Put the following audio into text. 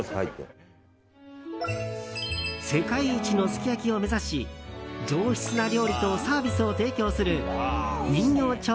世界一のすき焼きを目指し上質な料理とサービスを提供する人形町